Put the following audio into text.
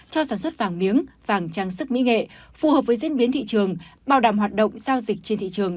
cho sản xuất vàng miếng vàng trang sức mỹ nghệ phù hợp với diễn biến thị trường bảo đảm hoạt động giao dịch trên thị trường